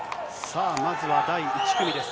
まずは第１組です。